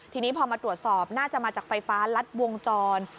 ทีนี้พอมาตรวจสอบน่าจะมาจากไฟฟ้ารัดวงจร